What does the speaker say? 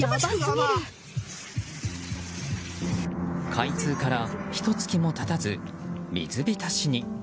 開通からひと月も経たず、水浸しに。